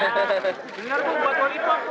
bener bu buat wali pop bu